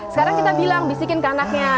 sekarang kita bilang bisikin ke anaknya